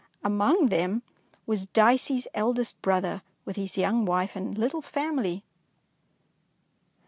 Among them was Dicey's eld est brother with his young wife and little family.